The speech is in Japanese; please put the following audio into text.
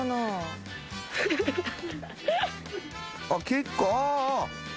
結構ああ。